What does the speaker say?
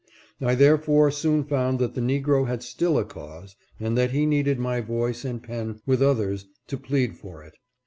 I therefore soon found that the Negro had still a cause, and that he needed my voice and pen with others to plead for it.